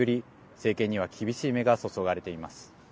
政権には厳しい目が注がれています。